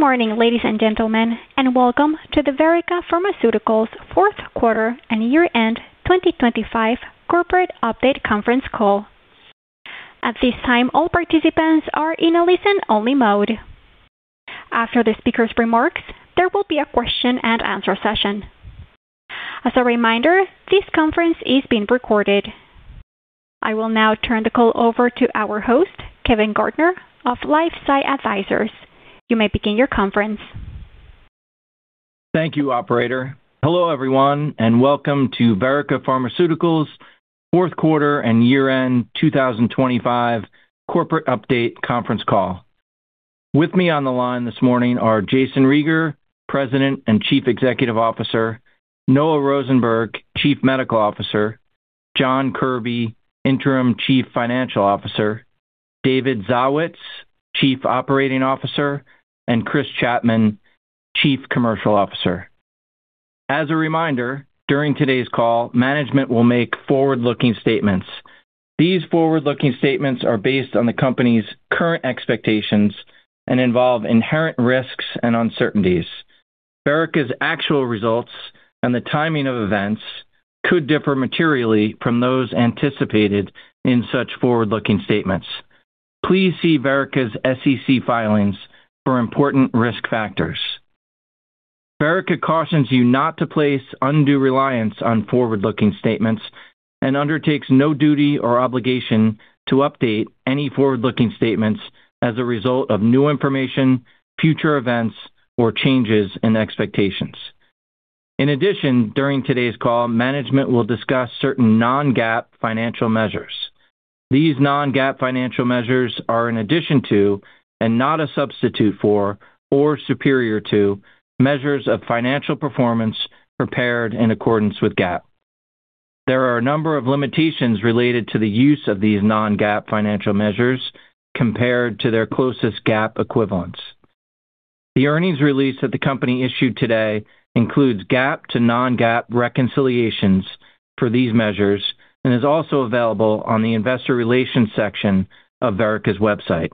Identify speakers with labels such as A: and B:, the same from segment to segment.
A: Good morning, ladies and gentlemen, and welcome to the Verrica Pharmaceuticals fourth quarter and year-end 2025 corporate update conference call. At this time, all participants are in a listen-only mode. After the speaker's remarks, there will be a question and answer session. As a reminder, this conference is being recorded. I will now turn the call over to our host, Kevin Gardner of LifeSci Advisors. You may begin your conference.
B: Thank you, operator. Hello, everyone, and welcome to Verrica Pharmaceuticals fourth quarter and year-end 2025 corporate update conference call. With me on the line this morning are Jayson Rieger, President and Chief Executive Officer, Noah Rosenberg, Chief Medical Officer, John Kirby, Interim Chief Financial Officer, David Zawitz, Chief Operating Officer, and Chris Chapman, Chief Commercial Officer. As a reminder, during today's call, management will make forward-looking statements. These forward-looking statements are based on the company's current expectations and involve inherent risks and uncertainties. Verrica's actual results and the timing of events could differ materially from those anticipated in such forward-looking statements. Please see Verrica's SEC filings for important risk factors. Verrica cautions you not to place undue reliance on forward-looking statements and undertakes no duty or obligation to update any forward-looking statements as a result of new information, future events, or changes in expectations. In addition, during today's call, management will discuss certain non-GAAP financial measures. These non-GAAP financial measures are in addition to and not a substitute for or superior to measures of financial performance prepared in accordance with GAAP. There are a number of limitations related to the use of these non-GAAP financial measures compared to their closest GAAP equivalents. The earnings release that the company issued today includes GAAP to non-GAAP reconciliations for these measures and is also available on the investor relations section of Verrica's website.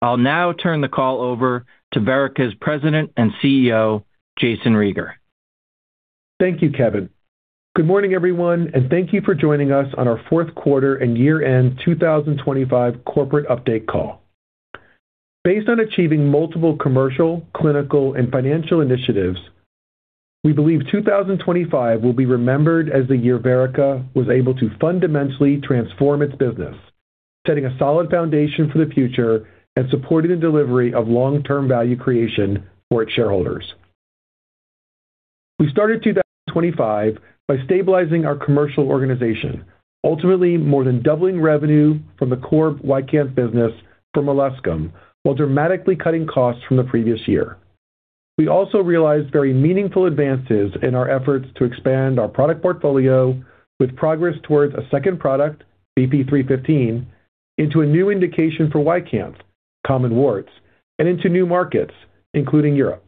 B: I'll now turn the call over to Verrica's President and CEO, Jayson Rieger.
C: Thank you, Kevin. Good morning, everyone, and thank you for joining us on our fourth quarter and year-end 2025 corporate update call. Based on achieving multiple commercial, clinical, and financial initiatives, we believe 2025 will be remembered as the year Verrica was able to fundamentally transform its business, setting a solid foundation for the future and supporting the delivery of long-term value creation for its shareholders. We started 2025 by stabilizing our commercial organization, ultimately more than doubling revenue from the core YCANTH business for molluscum, while dramatically cutting costs from the previous year. We also realized very meaningful advances in our efforts to expand our product portfolio with progress towards a second product, VP-315, into a new indication for YCANTH, common warts, and into new markets, including Europe.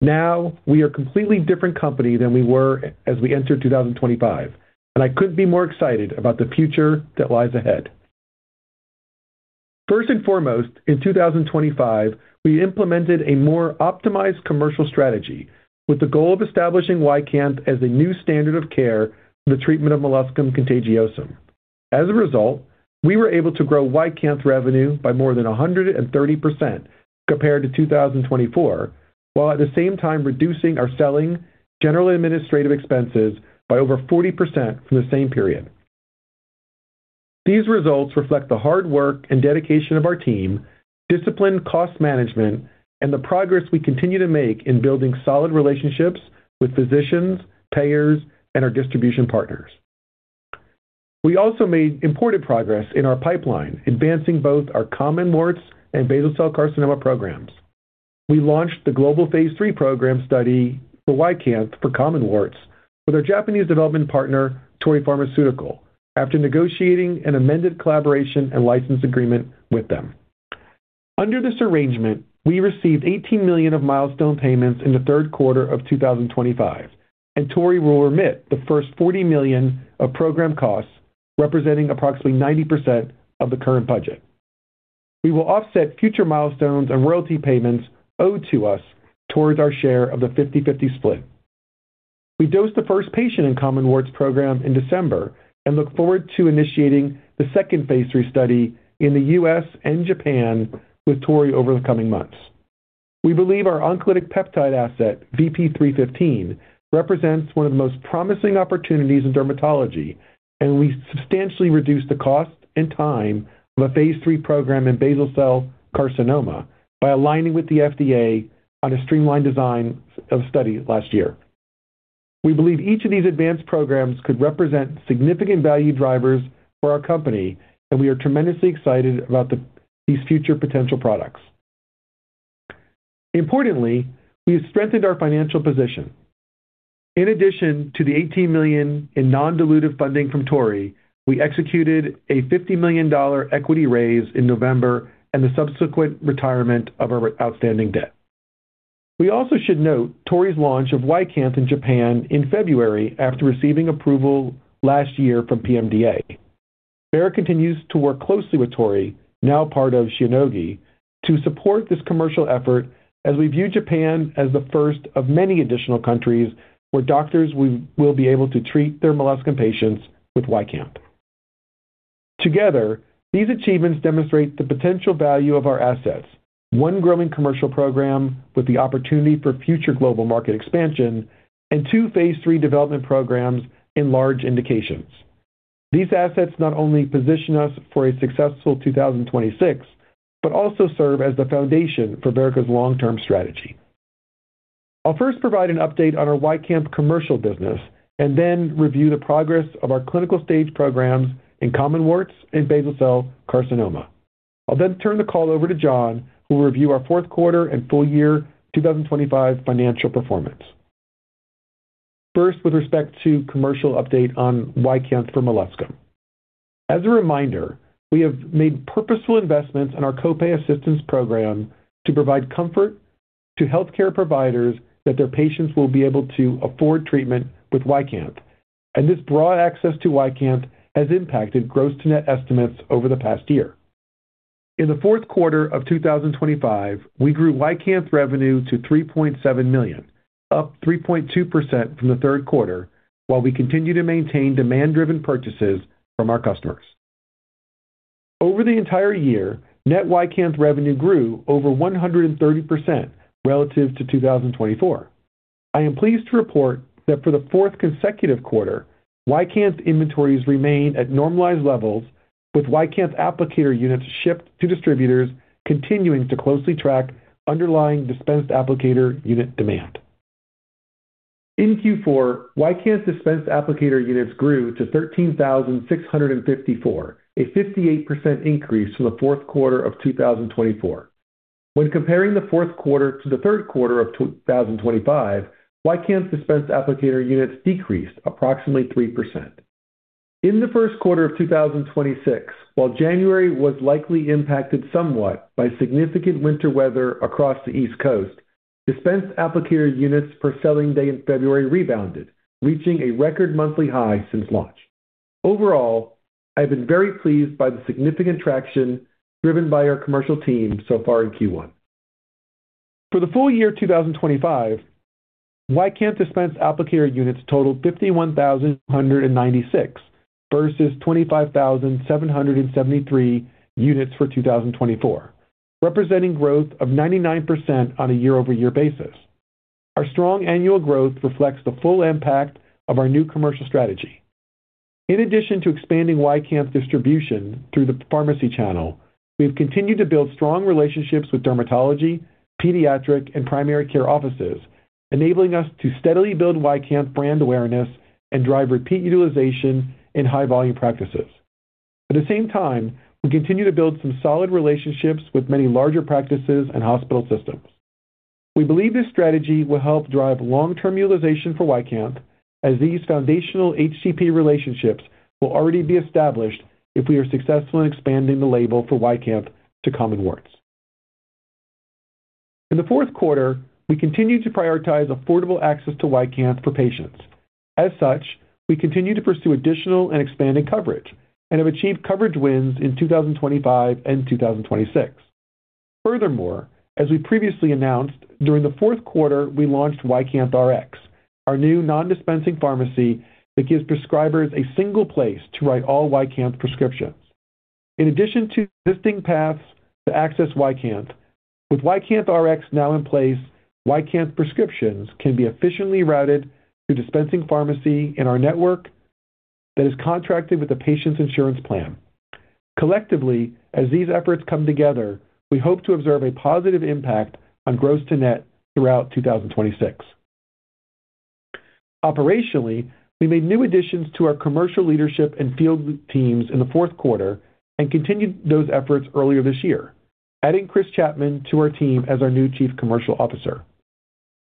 C: Now, we are a completely different company than we were as we entered 2025, and I couldn't be more excited about the future that lies ahead. First and foremost, in 2025, we implemented a more optimized commercial strategy with the goal of establishing YCANTH as a new standard of care for the treatment of molluscum contagiosum. As a result, we were able to grow YCANTH revenue by more than 130% compared to 2024, while at the same time reducing our selling general administrative expenses by over 40% from the same period. These results reflect the hard work and dedication of our team, disciplined cost management, and the progress we continue to make in building solid relationships with physicians, payers, and our distribution partners. We also made important progress in our pipeline, advancing both our common warts and basal cell carcinoma programs. We launched the global phase III program study for YCANTH for common warts with our Japanese development partner, Torii Pharmaceutical, after negotiating an amended collaboration and license agreement with them. Under this arrangement, we received $18 million of milestone payments in the third quarter of 2025, and Torii will remit the first $40 million of program costs, representing approximately 90% of the current budget. We will offset future milestones and royalty payments owed to us towards our share of the 50/50 split. We dosed the first patient in common warts program in December and look forward to initiating the second phase III study in the U.S. and Japan with Torii over the coming months. We believe our oncolytic peptide asset, VP-315, represents one of the most promising opportunities in dermatology, and we substantially reduced the cost and time of a phase III program in basal cell carcinoma by aligning with the FDA on a streamlined design of study last year. We believe each of these advanced programs could represent significant value drivers for our company, and we are tremendously excited about these future potential products. Importantly, we have strengthened our financial position. In addition to the $18 million in non-dilutive funding from Torii, we executed a $50 million equity raise in November and the subsequent retirement of our outstanding debt. We also should note Torii's launch of YCANTH in Japan in February after receiving approval last year from PMDA. Verrica continues to work closely with Torii, now part of Shionogi, to support this commercial effort as we view Japan as the first of many additional countries where doctors will be able to treat their molluscum patients with YCANTH. Together, these achievements demonstrate the potential value of our assets. One growing commercial program with the opportunity for future global market expansion and two phase III development programs in large indications. These assets not only position us for a successful 2026, but also serve as the foundation for Verrica's long-term strategy. I'll first provide an update on our YCANTH commercial business and then review the progress of our clinical stage programs in common warts and basal cell carcinoma. I'll then turn the call over to John, who will review our fourth quarter and full year 2025 financial performance. First, with respect to commercial update on YCANTH for molluscum. As a reminder, we have made purposeful investments in our co-pay assistance program to provide comfort to healthcare providers that their patients will be able to afford treatment with YCANTH. This broad access to YCANTH has impacted gross to net estimates over the past year. In the fourth quarter of 2025, we grew YCANTH's revenue to $3.7 million, up 3.2% from the third quarter, while we continue to maintain demand-driven purchases from our customers. Over the entire year, net YCANTH's revenue grew over 130% relative to 2024. I am pleased to report that for the fourth consecutive quarter, YCANTH's inventories remain at normalized levels with YCANTH's applicator units shipped to distributors continuing to closely track underlying dispensed applicator unit demand. In Q4, YCANTH's dispensed applicator units grew to 13,654, a 58% increase from the fourth quarter of 2024. When comparing the fourth quarter to the third quarter of 2025, YCANTH's dispensed applicator units decreased approximately 3%. In the first quarter of 2026, while January was likely impacted somewhat by significant winter weather across the East Coast, dispensed applicator units per selling day in February rebounded, reaching a record monthly high since launch. Overall, I've been very pleased by the significant traction driven by our commercial team so far in Q1. For the full year 2025, YCANTH dispensed applicator units totaled 51,196 versus 25,773 units for 2024, representing growth of 99% on a year-over-year basis. Our strong annual growth reflects the full impact of our new commercial strategy. In addition to expanding YCANTH's distribution through the pharmacy channel, we've continued to build strong relationships with dermatology, pediatric, and primary care offices, enabling us to steadily build YCANTH brand awareness and drive repeat utilization in high-volume practices. At the same time, we continue to build some solid relationships with many larger practices and hospital systems. We believe this strategy will help drive long-term utilization for YCANTH as these foundational HCP relationships will already be established if we are successful in expanding the label for YCANTH to common warts. In the fourth quarter, we continued to prioritize affordable access to YCANTH for patients. As such, we continue to pursue additional and expanded coverage and have achieved coverage wins in 2025 and 2026. Furthermore, as we previously announced, during the fourth quarter, we launched YcanthRx, our new non-dispensing pharmacy that gives prescribers a single place to write all YCANTH prescriptions. In addition to existing paths to access YCANTH, with YcanthRx now in place, YCANTH prescriptions can be efficiently routed through dispensing pharmacy in our network that is contracted with the patient's insurance plan. Collectively, as these efforts come together, we hope to observe a positive impact on gross to net throughout 2026. Operationally, we made new additions to our commercial leadership and field teams in the fourth quarter and continued those efforts earlier this year, adding Chris Chapman to our team as our new Chief Commercial Officer.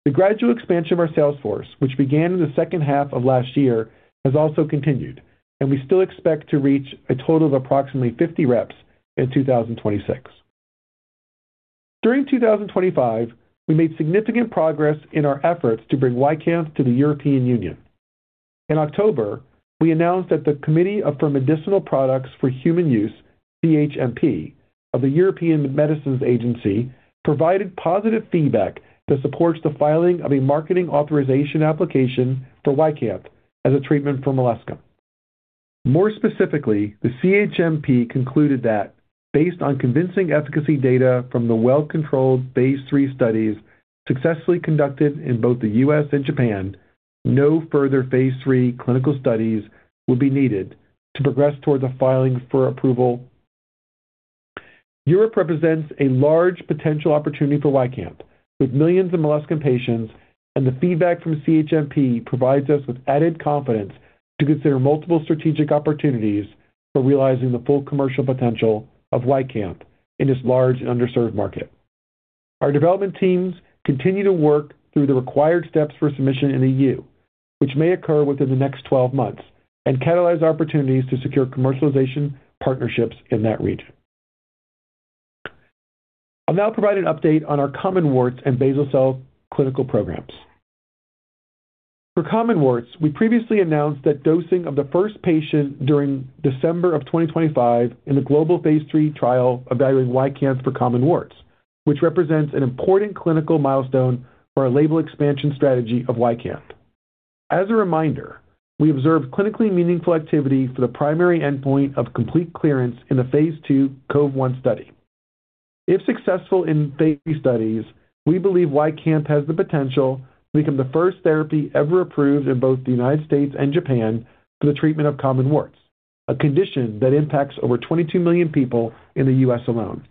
C: The gradual expansion of our sales force, which began in the second half of last year, has also continued, and we still expect to reach a total of approximately 50 reps in 2026. During 2025, we made significant progress in our efforts to bring YCANTH to the European Union. In October, we announced that the Committee for Medicinal Products for Human Use, CHMP, of the European Medicines Agency, provided positive feedback that supports the filing of a marketing authorization application for YCANTH as a treatment for molluscum. More specifically, the CHMP concluded that based on convincing efficacy data from the well-controlled phase III studies successfully conducted in both the U.S. and Japan, no further phase III clinical studies would be needed to progress towards a filing for approval. Europe represents a large potential opportunity for YCANTH with millions of molluscum patients, and the feedback from CHMP provides us with added confidence to consider multiple strategic opportunities for realizing the full commercial potential of YCANTH in this large and underserved market. Our development teams continue to work through the required steps for submission in EU, which may occur within the next 12 months and catalyze opportunities to secure commercialization partnerships in that region. I'll now provide an update on our common warts and basal cell clinical programs. For common warts, we previously announced that dosing of the first patient during December of 2025 in the global phase III trial evaluating YCANTH for common warts, which represents an important clinical milestone for our label expansion strategy of YCANTH. As a reminder, we observed clinically meaningful activity for the primary endpoint of complete clearance in the phase II COVE-1 study. If successful in phase III studies, we believe YCANTH has the potential to become the first therapy ever approved in both the United States and Japan for the treatment of common warts, a condition that impacts over 22 million people in the U.S. alone.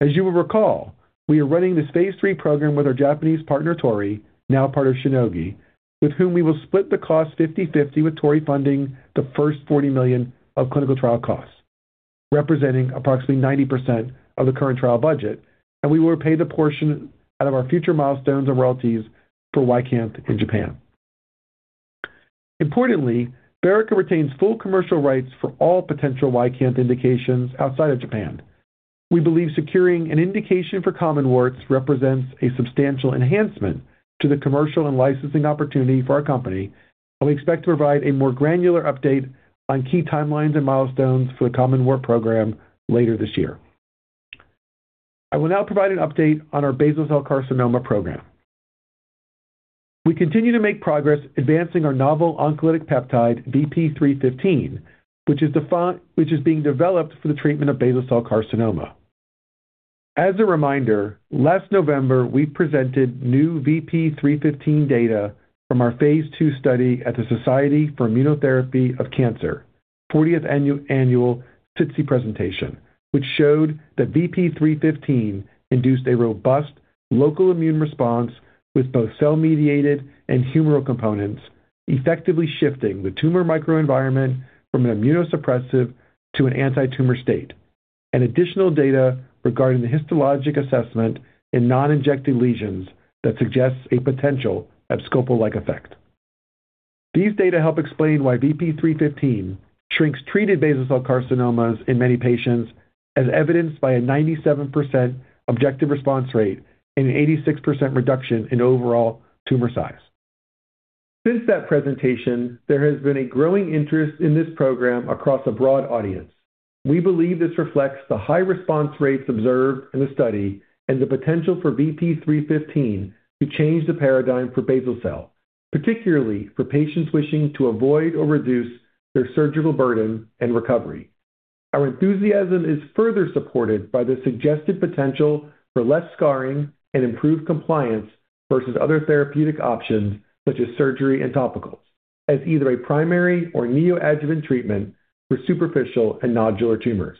C: As you will recall, we are running this phase III program with our Japanese partner, Torii, now part of Shionogi, with whom we will split the cost 50/50 with Torii funding the first $40 million of clinical trial costs, representing approximately 90% of the current trial budget, and we will repay the portion out of our future milestones and royalties for YCANTH in Japan. Importantly, Verrica retains full commercial rights for all potential YCANTH indications outside of Japan. We believe securing an indication for common warts represents a substantial enhancement to the commercial and licensing opportunity for our company, and we expect to provide a more granular update on key timelines and milestones for the common wart program later this year. I will now provide an update on our basal cell carcinoma program. We continue to make progress advancing our novel oncolytic peptide VP-315, which is being developed for the treatment of basal cell carcinoma. As a reminder, last November, we presented new VP-315 data from our phase II study at the Society for Immunotherapy of Cancer 40th annual SITC presentation, which showed that VP-315 induced a robust local immune response with both cell-mediated and humoral components, effectively shifting the tumor microenvironment from an immunosuppressive to an antitumor state. Additional data regarding the histologic assessment in non-injected lesions that suggests a potential abscopal-like effect. These data help explain why VP-315 shrinks treated basal cell carcinomas in many patients, as evidenced by a 97% objective response rate and an 86% reduction in overall tumor size. Since that presentation, there has been a growing interest in this program across a broad audience. We believe this reflects the high response rates observed in the study and the potential for VP-315 to change the paradigm for basal cell, particularly for patients wishing to avoid or reduce their surgical burden and recovery. Our enthusiasm is further supported by the suggested potential for less scarring and improved compliance versus other therapeutic options, such as surgery and topicals, as either a primary or neoadjuvant treatment for superficial and nodular tumors.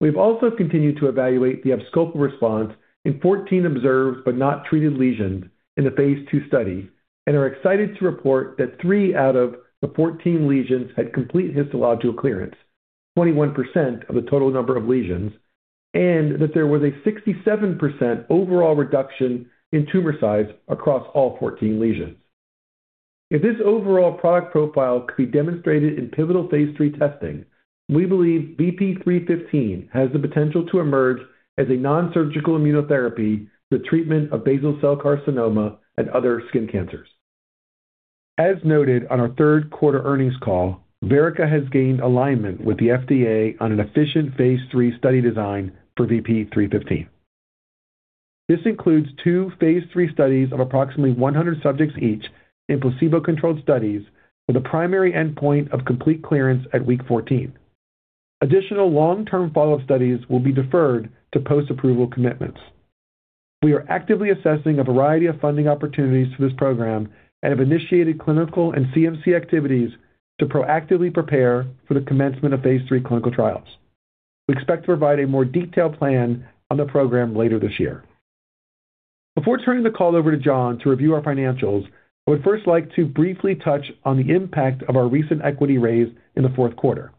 C: We've also continued to evaluate the abscopal response in 14 observed but not treated lesions in the phase II study and are excited to report that three out of the 14 lesions had complete histological clearance, 21% of the total number of lesions, and that there was a 67% overall reduction in tumor size across all 14 lesions. If this overall product profile could be demonstrated in pivotal phase III testing, we believe VP-315 has the potential to emerge as a non-surgical immunotherapy for treatment of basal cell carcinoma and other skin cancers. As noted on our third quarter earnings call, Verrica has gained alignment with the FDA on an efficient phase III study design for VP-315. This includes two phase III studies of approximately 100 subjects each in placebo-controlled studies with a primary endpoint of complete clearance at week 14. Additional long-term follow-up studies will be deferred to post-approval commitments. We are actively assessing a variety of funding opportunities for this program and have initiated clinical and CMC activities to proactively prepare for the commencement of phase III clinical trials. We expect to provide a more detailed plan on the program later this year. Before turning the call over to John to review our financials, I would first like to briefly touch on the impact of our recent equity raise in the fourth quarter.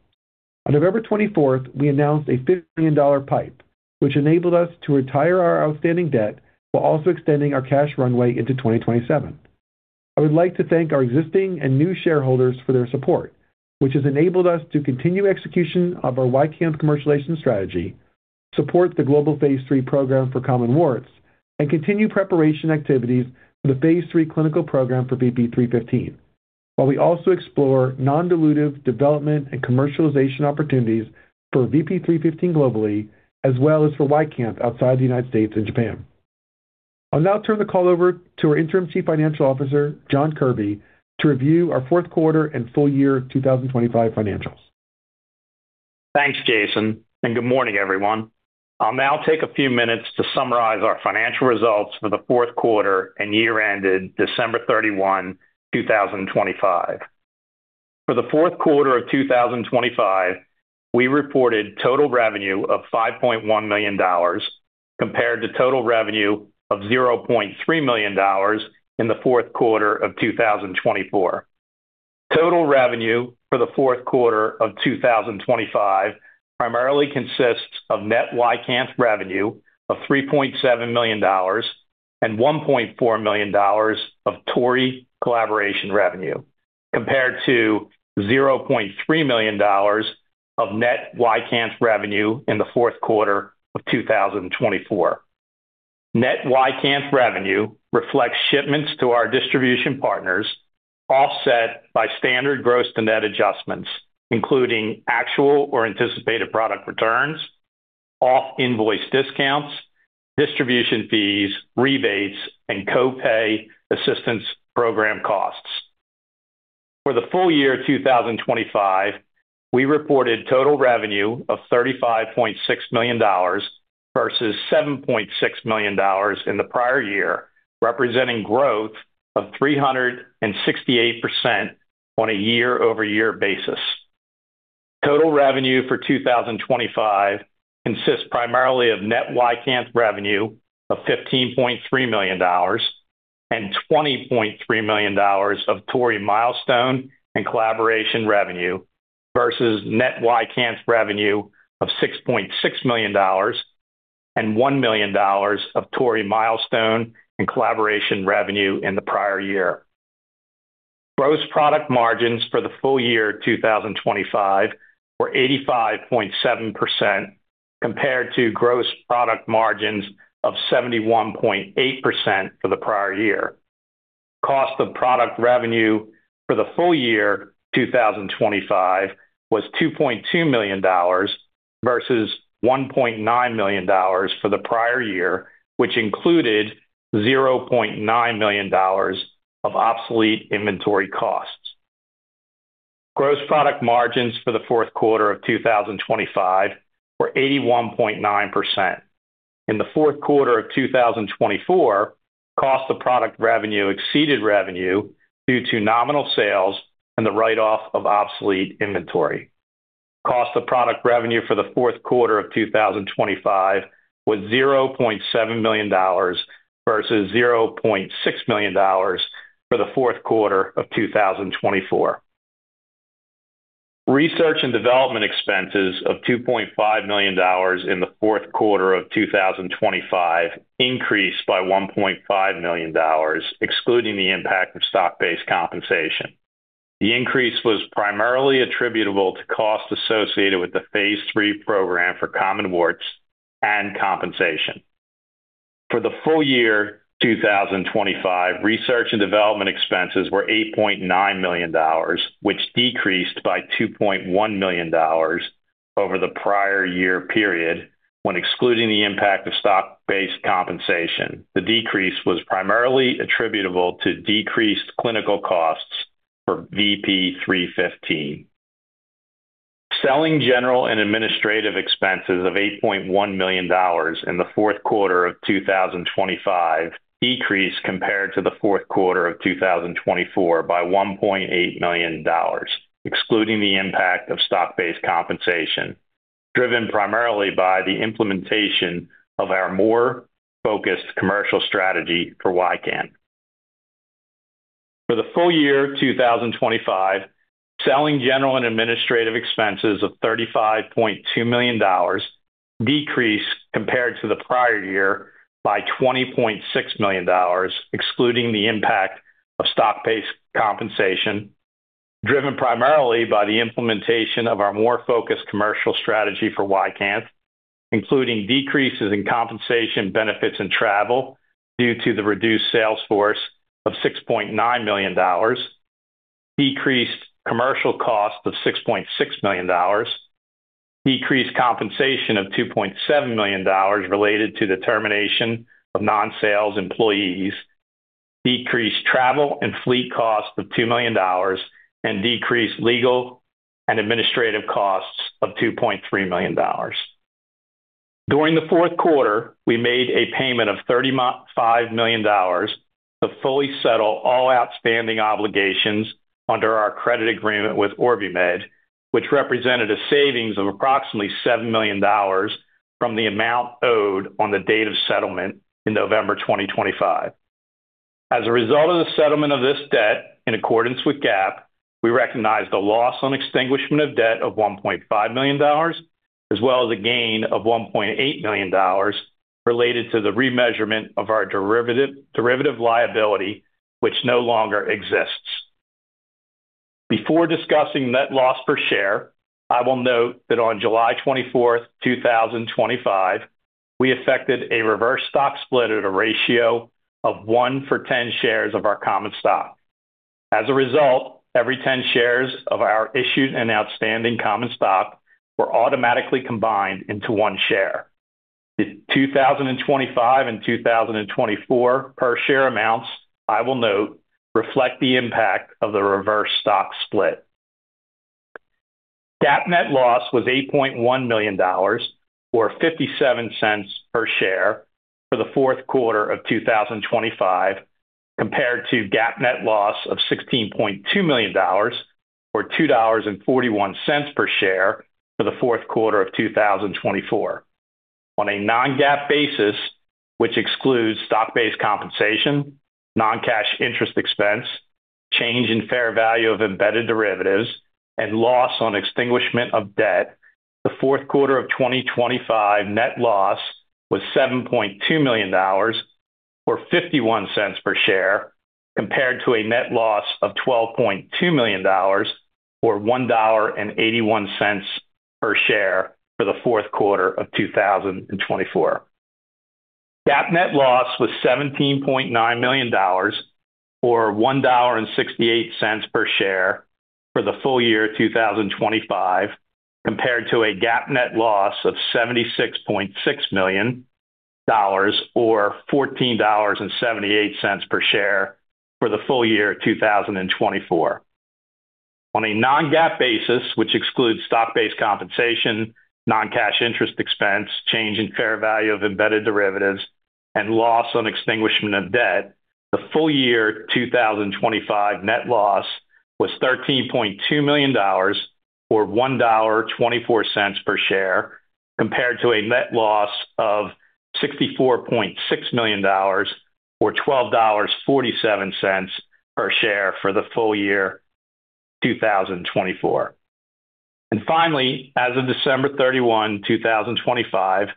C: On November 24, we announced a $50 million PIPE, which enabled us to retire our outstanding debt while also extending our cash runway into 2027. I would like to thank our existing and new shareholders for their support, which has enabled us to continue execution of our YCANTH commercialization strategy, support the global phase III program for common warts, and continue preparation activities for the phase III clinical program for VP-315, while we also explore non-dilutive development and commercialization opportunities for VP-315 globally, as well as for YCANTH outside the United States and Japan. I'll now turn the call over to our Interim Chief Financial Officer, John Kirby, to review our fourth quarter and full year 2025 financials.
D: Thanks, Jayson, and good morning, everyone. I'll now take a few minutes to summarize our financial results for the fourth quarter and year ended December 31, 2025. For the fourth quarter of 2025, we reported total revenue of $5.1 million compared to total revenue of $0.3 million in the fourth quarter of 2024. Total revenue for the fourth quarter of 2025 primarily consists of net YCANTH revenue of $3.7 million and $1.4 million of Torii collaboration revenue, compared to $0.3 million of net YCANTH revenue in the fourth quarter of 2024. Net YCANTH revenue reflects shipments to our distribution partners, offset by standard gross to net adjustments, including actual or anticipated product returns, off-invoice discounts, distribution fees, rebates, and co-pay assistance program costs. For the full year 2025, we reported total revenue of $35.6 million versus $7.6 million in the prior year, representing growth of 368% on a year-over-year basis. Total revenue for 2025 consists primarily of net YCANTH revenue of $15.3 million and $20.3 million of Torii milestone and collaboration revenue versus net YCANTH revenue of $6.6 million and $1 million of Torii milestone and collaboration revenue in the prior year. Gross product margins for the full year 2025 were 85.7% compared to gross product margins of 71.8% for the prior year. Cost of product revenue for the full year 2025 was $2.2 million versus $1.9 million for the prior year, which included $0.9 million of obsolete inventory costs. Gross product margins for the fourth quarter of 2025 were 81.9%. In the fourth quarter of 2024, cost of product revenue exceeded revenue due to nominal sales and the write-off of obsolete inventory. Cost of product revenue for the fourth quarter of 2025 was $0.7 million versus $0.6 million for the fourth quarter of 2024. Research and development expenses of $2.5 million in the fourth quarter of 2025 increased by $1.5 million, excluding the impact of stock-based compensation. The increase was primarily attributable to costs associated with the phase III program for common warts and compensation. For the full year 2025, research and development expenses were $8.9 million, which decreased by $2.1 million over the prior year period. When excluding the impact of stock-based compensation, the decrease was primarily attributable to decreased clinical costs for VP-315. Selling, general and administrative expenses of $8.1 million in the fourth quarter of 2025 decreased compared to the fourth quarter of 2024 by $1.8 million, excluding the impact of stock-based compensation, driven primarily by the implementation of our more focused commercial strategy for YCANTH. For the full year 2025, selling general and administrative expenses of $35.2 million decreased compared to the prior year by $20.6 million, excluding the impact of stock-based compensation, driven primarily by the implementation of our more focused commercial strategy for YCANTH, including decreases in compensation, benefits, and travel due to the reduced sales force of $6.9 million, decreased commercial costs of $6.6 million, decreased compensation of $2.7 million related to the termination of non-sales employees, decreased travel and fleet costs of $2 million, and decreased legal and administrative costs of $2.3 million. During the fourth quarter, we made a payment of $35 million to fully settle all outstanding obligations under our credit agreement with OrbiMed, which represented a savings of approximately $7 million from the amount owed on the date of settlement in November 2025. As a result of the settlement of this debt, in accordance with GAAP, we recognized a loss on extinguishment of debt of $1.5 million, as well as a gain of $1.8 million related to the remeasurement of our derivative liability, which no longer exists. Before discussing net loss per share, I will note that on July 24, 2025, we effected a reverse stock split at a ratio of one for ten shares of our common stock. As a result, every 10 shares of our issued and outstanding common stock were automatically combined into one share. The 2025 and 2024 per share amounts, I will note, reflect the impact of the reverse stock split. GAAP net loss was $8.1 million or $0.57 per share for the fourth quarter of 2025, compared to GAAP net loss of $16.2 million or $2.41 per share for the fourth quarter of 2024. On a non-GAAP basis, which excludes stock-based compensation, non-cash interest expense, change in fair value of embedded derivatives, and loss on extinguishment of debt, the fourth quarter of 2025 net loss was $7.2 million or $0.51 per share, compared to a net loss of $12.2 million or $1.81 per share for the fourth quarter of 2024. GAAP net loss was $17.9 million or $1.68 per share for the full year 2025, compared to a GAAP net loss of $76.6 million or $14.78 per share for the full year 2024. On a non-GAAP basis, which excludes stock based compensation, non-cash interest expense, change in fair value of embedded derivatives, and loss on extinguishment of debt, the full year 2025 net loss was $13.2 million or $1.24 per share, compared to a net loss of $64.6 million or $12.47 per share for the full year 2024. Finally, as of December 31, 2025,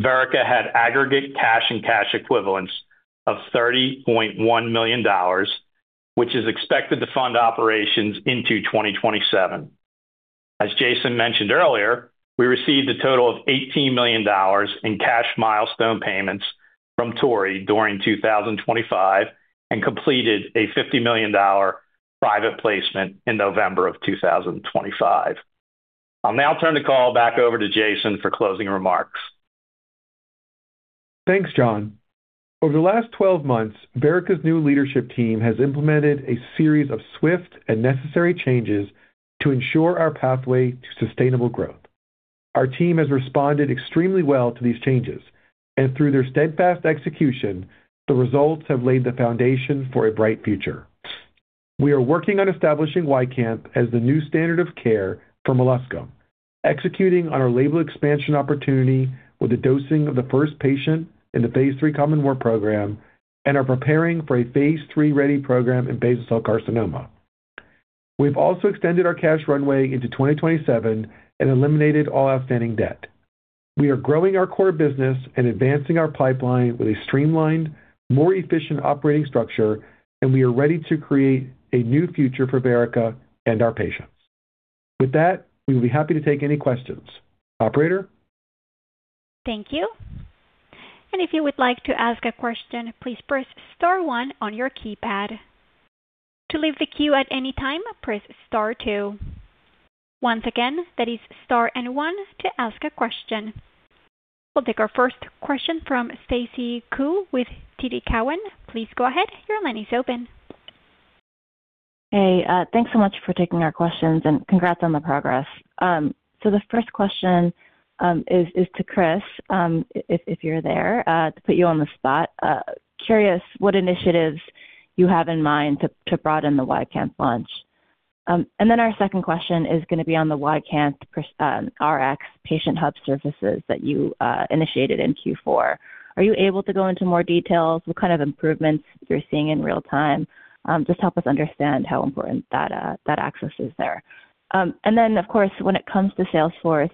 D: Verrica had aggregate cash and cash equivalents of $30.1 million, which is expected to fund operations into 2027. As Jayson mentioned earlier, we received a total of $18 million in cash milestone payments from Torii during 2025 and completed a $50 million private placement in November 2025. I'll now turn the call back over to Jayson for closing remarks.
C: Thanks, John. Over the last 12 months, Verrica's new leadership team has implemented a series of swift and necessary changes to ensure our pathway to sustainable growth. Our team has responded extremely well to these changes, and through their steadfast execution, the results have laid the foundation for a bright future. We are working on establishing YCANTH as the new standard of care for molluscum, executing on our label expansion opportunity with the dosing of the first patient in the phase III common warts program, and are preparing for a phase III-ready program in basal cell carcinoma. We've also extended our cash runway into 2027 and eliminated all outstanding debt. We are growing our core business and advancing our pipeline with a streamlined, more efficient operating structure, and we are ready to create a new future for Verrica and our patients. With that, we will be happy to take any questions. Operator?
A: Thank you. If you would like to ask a question, please press star one on your keypad. To leave the queue at any time, press star two. Once again, that is star and one to ask a question. We'll take our first question from Stacy Ku with TD Cowen. Please go ahead. Your line is open.
E: Hey, thanks so much for taking our questions and congrats on the progress. The first question is to Chris, if you're there, to put you on the spot. Curious what initiatives you have in mind to broaden the YCANTH launch. Our second question is gonna be on the YCANTH Rx patient hub services that you initiated in Q4. Are you able to go into more details? What kind of improvements you're seeing in real time? Just help us understand how important that access is there. Of course, when it comes to sales force,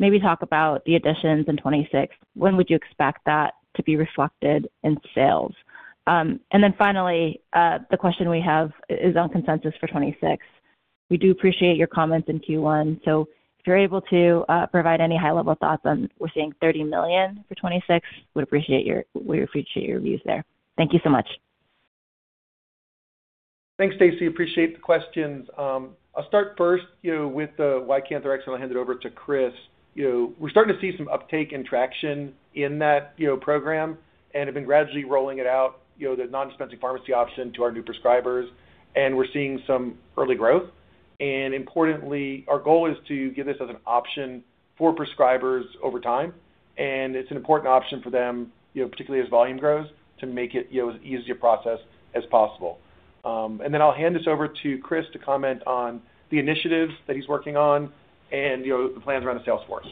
E: maybe talk about the additions in 2026. When would you expect that to be reflected in sales? Finally, the question we have is on consensus for 2026. We do appreciate your comments in Q1. If you're able to provide any high-level thoughts on we're seeing $30 million for 2026, we'd appreciate your views there. Thank you so much.
C: Thanks, Stacy. Appreciate the questions. I'll start first, you know, with the YcanthRx and I'll hand it over to Chris. You know, we're starting to see some uptake and traction in that, you know, program and have been gradually rolling it out, you know, the non-dispensing pharmacy option to our new prescribers, and we're seeing some early growth. Importantly, our goal is to give this as an option for prescribers over time, and it's an important option for them, you know, particularly as volume grows, to make it, you know, as easy a process as possible. I'll hand this over to Chris to comment on the initiatives that he's working on and, you know, the plans around the sales force.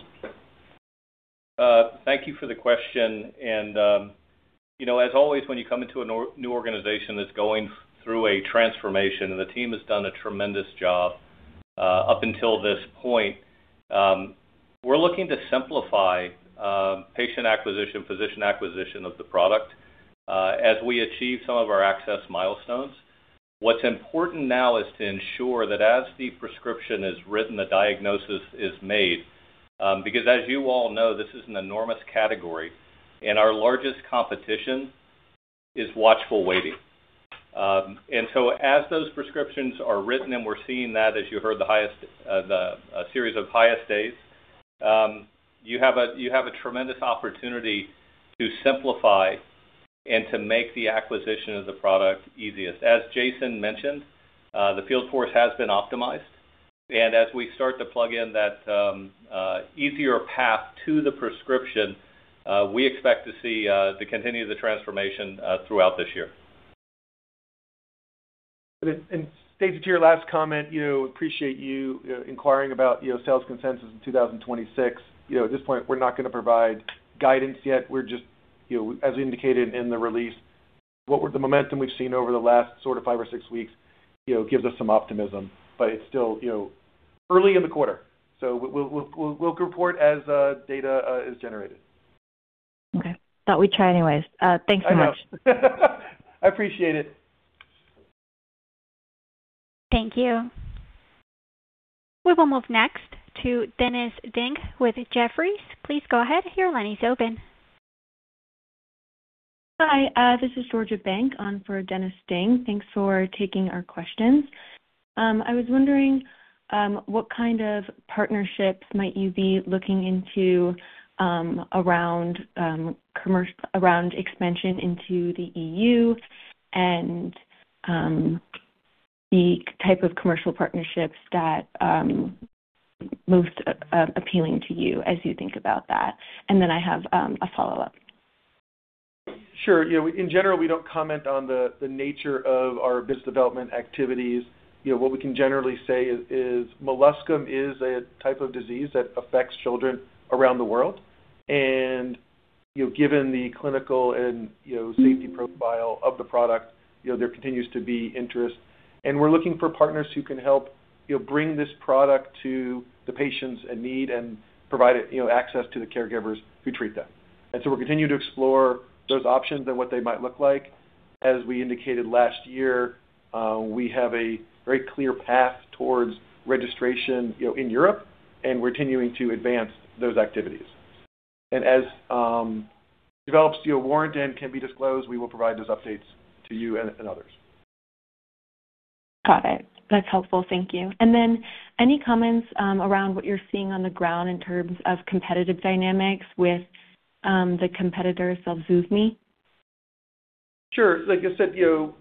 F: Thank you for the question. You know, as always, when you come into a new organization that's going through a transformation, and the team has done a tremendous job up until this point. We're looking to simplify patient acquisition, physician acquisition of the product, as we achieve some of our access milestones. What's important now is to ensure that as the prescription is written, the diagnosis is made. Because as you all know, this is an enormous category, and our largest competition is watchful waiting. As those prescriptions are written, and we're seeing that, as you heard, the highest, a series of highest days, you have a tremendous opportunity to simplify and to make the acquisition of the product easiest. As Jayson mentioned, the field force has been optimized, and as we start to plug in that easier path to the prescription, we expect to see to continue the transformation throughout this year.
C: Stacy, to your last comment, you know, appreciate you know, inquiring about, you know, sales consensus in 2026. You know, at this point, we're not gonna provide guidance yet. We're just, you know, as we indicated in the release, the momentum we've seen over the last sort of five or six weeks, you know, gives us some optimism. It's still, you know- Early in the quarter. We'll report as data is generated.
E: Okay. Thought we'd try anyways. Thanks very much.
C: I know. I appreciate it.
A: Thank you. We will move next to Dennis Ding with Jefferies. Please go ahead, your line is open.
G: Hi, this is Georgia Bank on for Dennis Ding. Thanks for taking our questions. I was wondering what kind of partnerships might you be looking into around expansion into the EU and the type of commercial partnerships that most appealing to you as you think about that? Then I have a follow-up.
C: Sure. You know, in general, we don't comment on the nature of our business development activities. You know, what we can generally say is molluscum is a type of disease that affects children around the world. You know, given the clinical and you know safety profile of the product, you know, there continues to be interest. We're looking for partners who can help, you know, bring this product to the patients in need and provide a you know access to the caregivers who treat them. We're continuing to explore those options and what they might look like. As we indicated last year, we have a very clear path towards registration, you know, in Europe, and we're continuing to advance those activities. As develops you know warrant and can be disclosed, we will provide those updates to you and others.
G: Got it. That's helpful. Thank you. Any comments around what you're seeing on the ground in terms of competitive dynamics with the competitor ZELSUVMI?
C: Sure. Like I said, you know,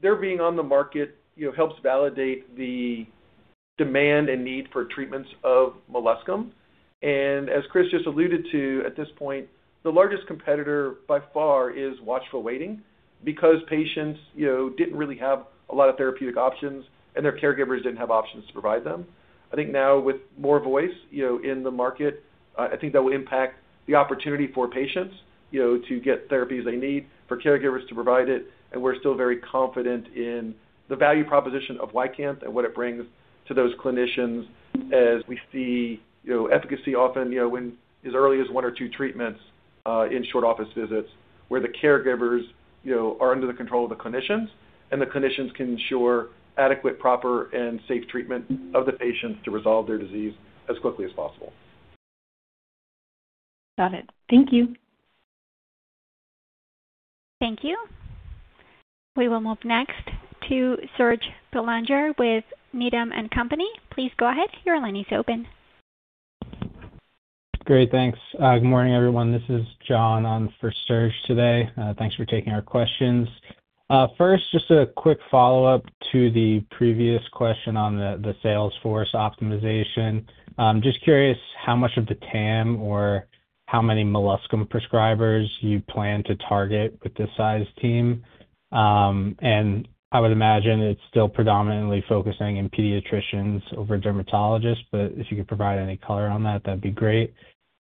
C: their being on the market, you know, helps validate the demand and need for treatments of molluscum. As Chris just alluded to at this point, the largest competitor by far is watchful waiting because patients, you know, didn't really have a lot of therapeutic options and their caregivers didn't have options to provide them. I think now with more voice, you know, in the market, I think that will impact the opportunity for patients, you know, to get therapies they need, for caregivers to provide it. We're still very confident in the value proposition of YCANTH and what it brings to those clinicians as we see, you know, efficacy often, you know, when as early as one or two treatments, in short office visits where the caregivers, you know, are under the control of the clinicians and the clinicians can ensure adequate, proper and safe treatment of the patients to resolve their disease as quickly as possible.
G: Got it. Thank you.
A: Thank you. We will move next to Serge Belanger with Needham & Company. Please go ahead. Your line is open.
H: Great, thanks. Good morning, everyone. This is John on for Serge today. Thanks for taking our questions. First, just a quick follow-up to the previous question on the sales force optimization. Just curious how much of the TAM or how many molluscum prescribers you plan to target with this size team. I would imagine it's still predominantly focusing in pediatricians over dermatologists, but if you could provide any color on that'd be great.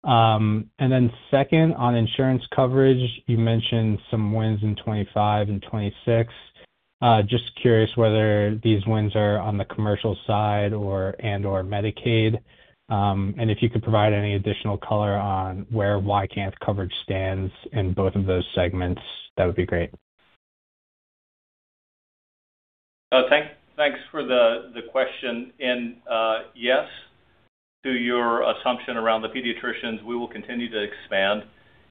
H: Then second, on insurance coverage, you mentioned some wins in 2025 and 2026. Just curious whether these wins are on the commercial side or Medicaid. If you could provide any additional color on where Ycanth coverage stands in both of those segments, that would be great.
F: Thanks for the question. Yes, to your assumption around the pediatricians, we will continue to expand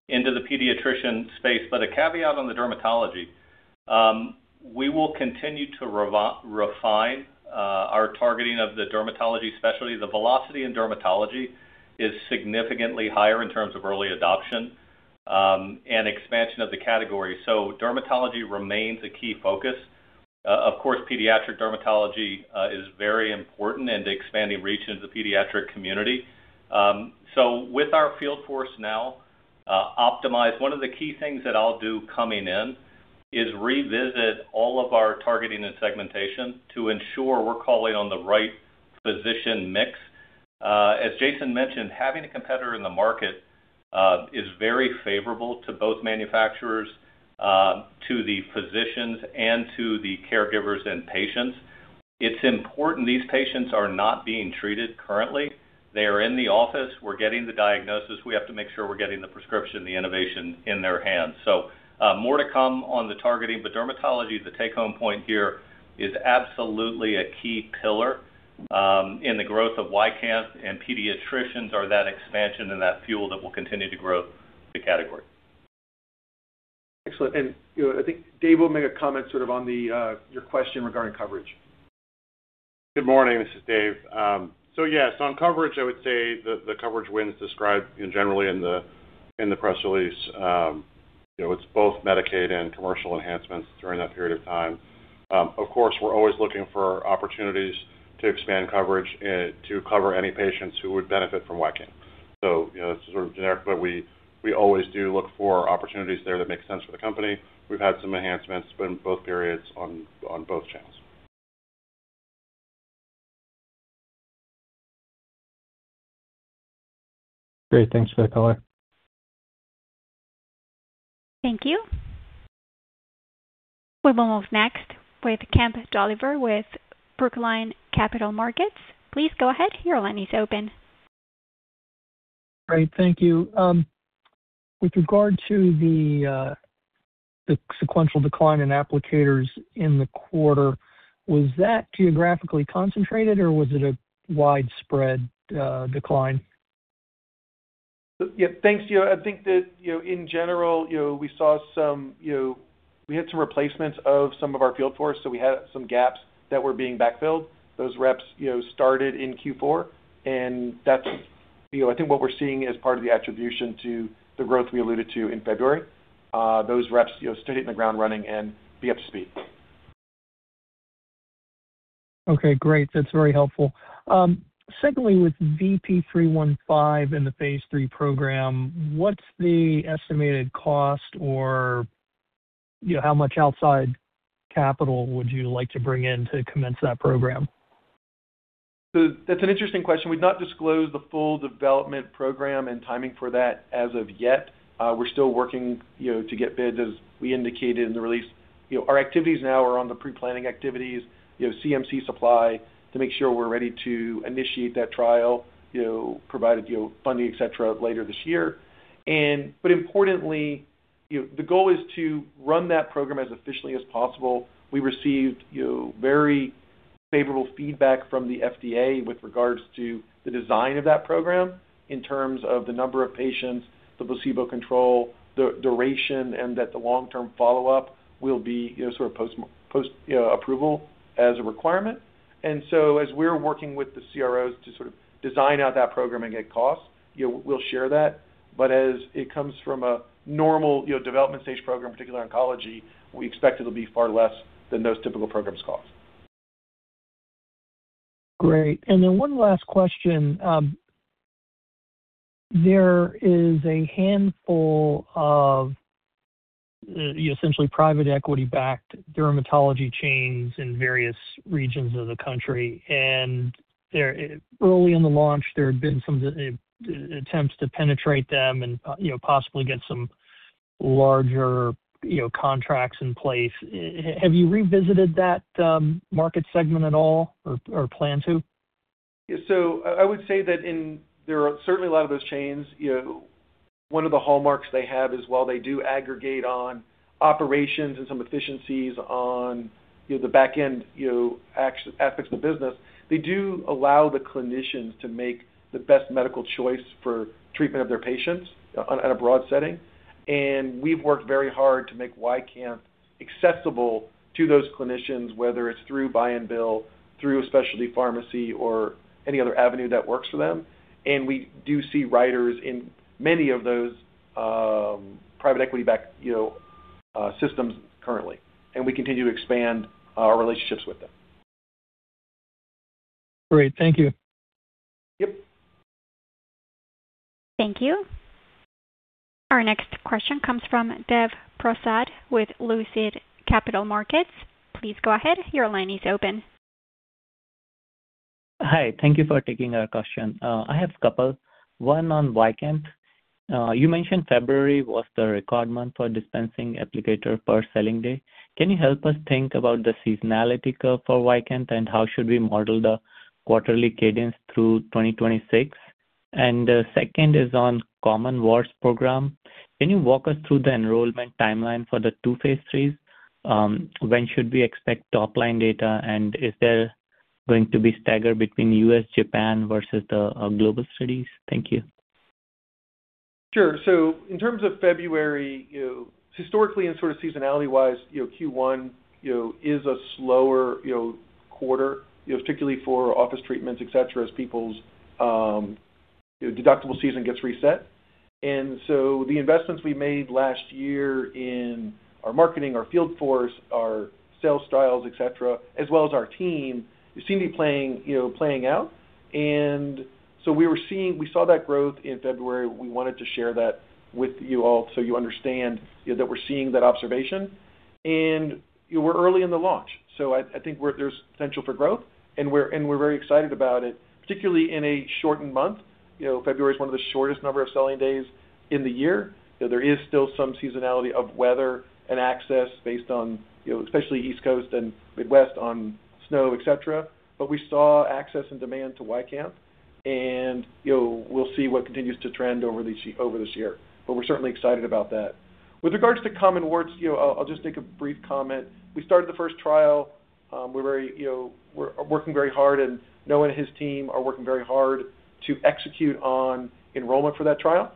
F: into the pediatrician space. A caveat on the dermatology. We will continue to refine our targeting of the dermatology specialty. The velocity in dermatology is significantly higher in terms of early adoption and expansion of the category. Dermatology remains a key focus. Of course, pediatric dermatology is very important and expanding reach into the pediatric community. With our field force now optimized, one of the key things that I'll do coming in is revisit all of our targeting and segmentation to ensure we're calling on the right physician mix. As Jayson mentioned, having a competitor in the market is very favorable to both manufacturers, to the physicians, and to the caregivers and patients.
C: It's important these patients are not being treated currently. They are in the office. We're getting the diagnosis. We have to make sure we're getting the prescription, the innovation in their hands. So, more to come on the targeting, but dermatology, the take-home point here is absolutely a key pillar, in the growth of YCANTH, and pediatricians are that expansion and that fuel that will continue to grow the category. Excellent. You know, I think David will make a comment sort of on your question regarding coverage.
I: Good morning, this is Dave. On coverage, I would say the coverage wins described generally in the press release, you know, it's both Medicaid and commercial enhancements during that period of time. Of course, we're always looking for opportunities to expand coverage to cover any patients who would benefit from YCANTH. You know, this is sort of generic, but we always do look for opportunities there that make sense for the company. We've had some enhancements but in both periods on both channels.
C: Great. Thanks for the color.
A: Thank you. We will move next with Kemp Dolliver with Brookline Capital Markets. Please go ahead. Your line is open.
J: Great. Thank you. With regard to the sequential decline in applicators in the quarter, was that geographically concentrated or was it a widespread decline?
C: Yeah, thanks. You know, I think that, you know, in general, you know, we saw some, you know, we had some replacements of some of our field force, so we had some gaps that were being backfilled. Those reps, you know, started in Q4 and that's, you know, I think what we're seeing as part of the attribution to the growth we alluded to in February. Those reps, you know, started on the ground running and be up to speed.
J: Okay, great. That's very helpful. Secondly, with VP-315 in the phase III program, what's the estimated cost or, you know, how much outside capital would you like to bring in to commence that program?
C: That's an interesting question. We've not disclosed the full development program and timing for that as of yet. We're still working, you know, to get bids, as we indicated in the release. You know, our activities now are on the pre-planning activities, you know, CMC supply to make sure we're ready to initiate that trial, you know, provided, you know, funding, et cetera, later this year. Importantly, you know, the goal is to run that program as efficiently as possible. We received, you know, very favorable feedback from the FDA with regards to the design of that program in terms of the number of patients, the placebo control, the duration, and that the long-term follow-up will be, you know, sort of post approval as a requirement. As we're working with the CROs to sort of design out that program and get costs, you know, we'll share that. As it comes from a normal, you know, development stage program, particularly oncology, we expect it'll be far less than those typical programs cost.
J: Great. One last question. There is a handful of essentially private equity-backed dermatology chains in various regions of the country. There, early in the launch, there had been some attempts to penetrate them and, you know, possibly get some larger, you know, contracts in place. Have you revisited that, market segment at all or plan to?
C: I would say that there are certainly a lot of those chains. You know, one of the hallmarks they have is while they do aggregate on operations and some efficiencies on, you know, the back-end, you know, aspects of business, they do allow the clinicians to make the best medical choice for treatment of their patients on a broad setting. We've worked very hard to make YCANTH accessible to those clinicians, whether it's through buy and bill, through a specialty pharmacy or any other avenue that works for them. We do see writers in many of those private equity-backed, you know, systems currently, and we continue to expand our relationships with them.
J: Great. Thank you.
C: Yep.
A: Thank you. Our next question comes from Dev Prasad with Laidlaw Capital Markets. Please go ahead. Your line is open.
K: Hi. Thank you for taking our question. I have a couple. One on YCANTH. You mentioned February was the record month for dispensing applicator per selling day. Can you help us think about the seasonality curve for YCANTH, and how should we model the quarterly cadence through 2026? The second is on common warts program. Can you walk us through the enrollment timeline for the two phase IIIs? When should we expect top-line data, and is there going to be stagger between U.S., Japan versus the global studies? Thank you.
C: Sure. In terms of February, you know, historically and sort of seasonality-wise, you know, Q1, you know, is a slower, you know, quarter, you know, particularly for office treatments, et cetera, as people's, you know, deductible season gets reset. The investments we made last year in our marketing, our field force, our sales styles, et cetera, as well as our team, seem to be playing, you know, out. We saw that growth in February. We wanted to share that with you all so you understand that we're seeing that observation. We're early in the launch, so I think there's potential for growth and we're very excited about it, particularly in a shortened month. You know, February is one of the shortest number of selling days in the year. You know, there is still some seasonality of weather and access based on, you know, especially East Coast and Midwest on snow, et cetera. We saw access and demand to YCANTH, and, you know, we'll see what continues to trend over this year. We're certainly excited about that. With regards to common warts, you know, I'll just make a brief comment. We started the first trial. We're very, you know, we're working very hard, and Noah and his team are working very hard to execute on enrollment for that trial.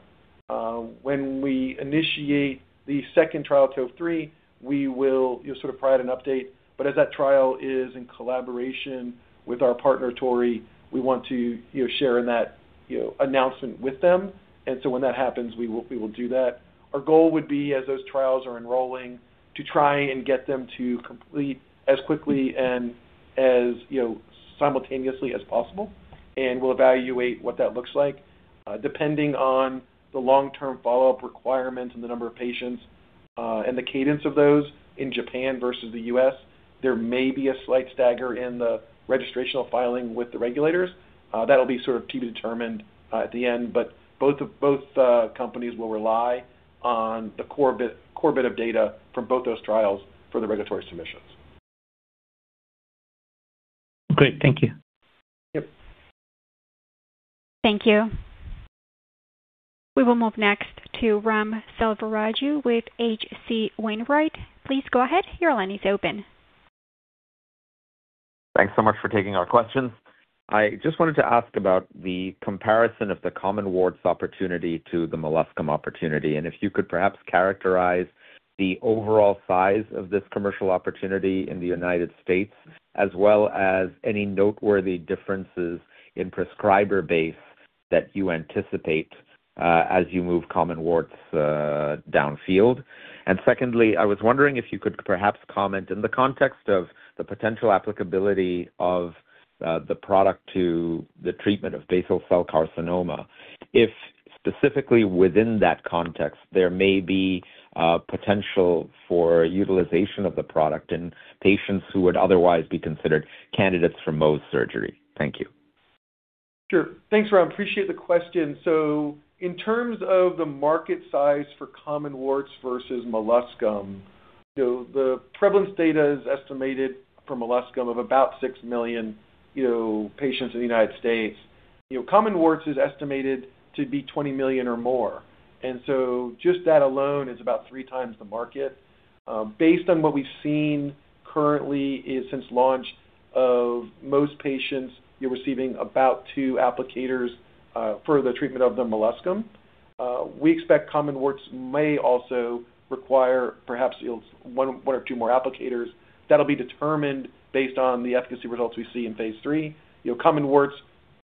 C: When we initiate the second trial, COVE-3, we will, you know, sort of provide an update. As that trial is in collaboration with our partner, Torii, we want to, you know, share in that, you know, announcement with them. When that happens, we will do that. Our goal would be, as those trials are enrolling, to try and get them to complete as quickly and as, you know, simultaneously as possible, and we'll evaluate what that looks like. Depending on the long-term follow-up requirements and the number of patients, and the cadence of those in Japan versus the U.S., there may be a slight stagger in the registrational filing with the regulators. That'll be sort of TBD determined at the end. Both companies will rely on the core bit of data from both those trials for the regulatory submissions.
D: Great. Thank you.
C: Yep.
A: Thank you. We will move next to Raghuram Selvaraju with H.C. Wainwright. Please go ahead. Your line is open.
L: Thanks so much for taking our questions. I just wanted to ask about the comparison of the common warts opportunity to the molluscum opportunity, and if you could perhaps characterize the overall size of this commercial opportunity in the United States, as well as any noteworthy differences in prescriber base that you anticipate, as you move common warts downfield. Secondly, I was wondering if you could perhaps comment in the context of the potential applicability of the product to the treatment of basal cell carcinoma, if specifically within that context, there may be a potential for utilization of the product in patients who would otherwise be considered candidates for Mohs surgery. Thank you.
C: Sure. Thanks, Raghuram. Appreciate the question. In terms of the market size for common warts versus molluscum, you know, the prevalence data is estimated for molluscum of about 6 million, you know, patients in the United States. You know, common warts is estimated to be 20 million or more. Just that alone is about three times the market. Based on what we've seen currently is since launch of most patients, you're receiving about two applicators for the treatment of the molluscum. We expect common warts may also require perhaps one or two more applicators. That'll be determined based on the efficacy results we see in phase III. You know, common warts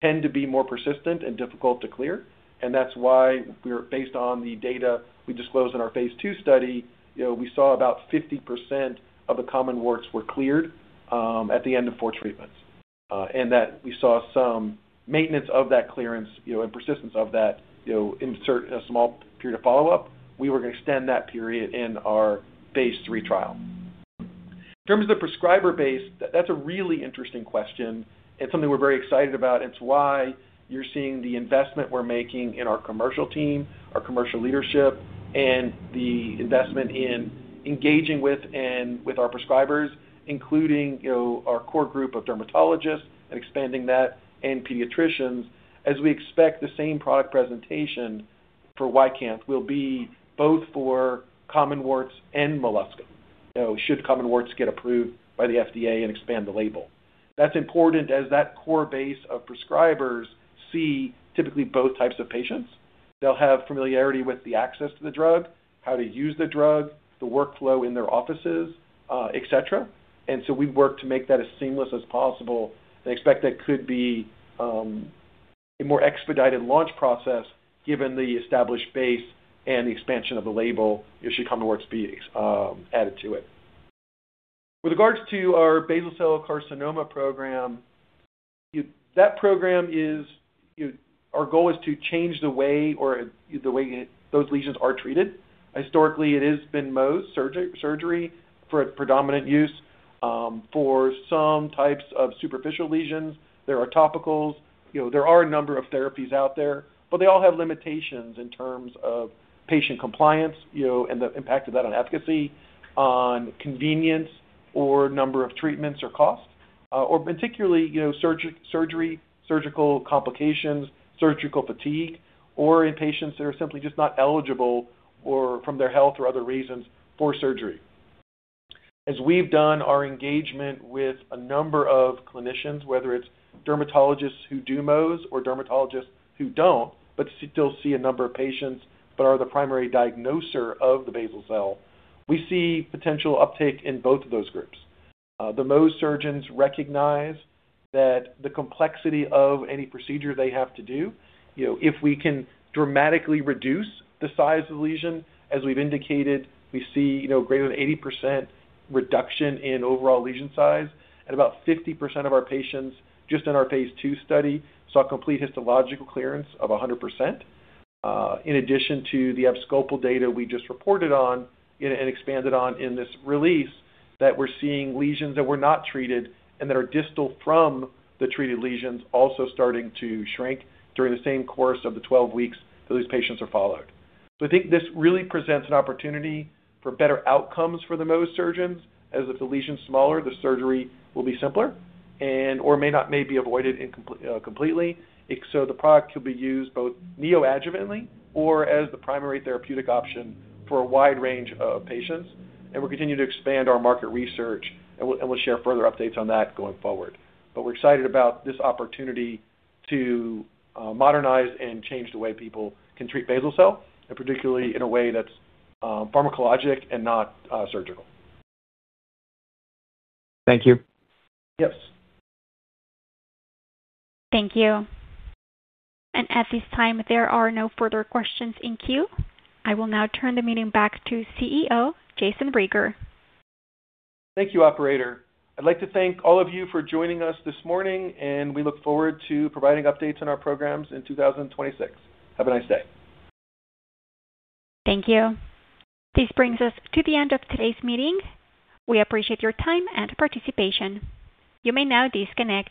C: tend to be more persistent and difficult to clear. That's why, based on the data we disclosed in our phase II study. You know, we saw about 50% of the common warts were cleared at the end of four treatments, and that we saw some maintenance of that clearance, you know, and persistence of that, you know, after a small period of follow-up. We were going to extend that period in our phase III trial. In terms of the prescriber base, that's a really interesting question and something we're very excited about. It's why you're seeing the investment we're making in our commercial team, our commercial leadership, and the investment in engaging with our prescribers, including, you know, our core group of dermatologists and expanding that and pediatricians, as we expect the same product presentation for YCANTH will be both for common warts and molluscum. You know, should common warts get approved by the FDA and expand the label. That's important as that core base of prescribers see typically both types of patients. They'll have familiarity with the access to the drug, how to use the drug, the workflow in their offices, et cetera. We've worked to make that as seamless as possible and expect that could be a more expedited launch process given the established base and the expansion of the label should common warts be added to it. With regards to our basal cell carcinoma program, that program is. Our goal is to change the way those lesions are treated. Historically, it has been Mohs surgery for predominant use for some types of superficial lesions. There are topicals. You know, there are a number of therapies out there, but they all have limitations in terms of patient compliance, you know, and the impact of that on efficacy, on convenience or number of treatments or costs, or particularly, you know, surgery, surgical complications, surgical fatigue, or in patients that are simply just not eligible or from their health or other reasons for surgery. As we've done our engagement with a number of clinicians, whether it's dermatologists who do Mohs or dermatologists who don't, but still see a number of patients that are the primary diagnostician of the basal cell, we see potential uptick in both of those groups. The Mohs surgeons recognize that the complexity of any procedure they have to do, you know, if we can dramatically reduce the size of the lesion, as we've indicated, we see, you know, greater than 80% reduction in overall lesion size. About 50% of our patients just in our phase II study saw complete histological clearance of 100%. In addition to the abscopal data we just reported on and expanded on in this release, that we're seeing lesions that were not treated and that are distal from the treated lesions also starting to shrink during the same course of the 12 weeks those patients are followed. I think this really presents an opportunity for better outcomes for the Mohs surgeons, as if the lesion's smaller, the surgery will be simpler and or may not be avoided completely. The product could be used both neoadjuvantly or as the primary therapeutic option for a wide range of patients. We'll continue to expand our market research and we'll share further updates on that going forward. We're excited about this opportunity to modernize and change the way people can treat basal cell, and particularly in a way that's pharmacologic and not surgical.
L: Thank you.
C: Yes.
A: Thank you. At this time, there are no further questions in queue. I will now turn the meeting back to CEO Jayson Rieger.
C: Thank you, operator. I'd like to thank all of you for joining us this morning, and we look forward to providing updates on our programs in 2026. Have a nice day.
A: Thank you. This brings us to the end of today's meeting. We appreciate your time and participation. You may now disconnect.